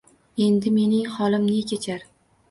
Endi mening xolim ne kechar?